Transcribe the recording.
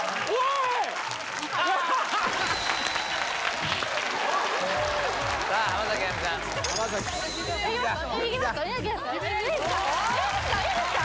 いいですか？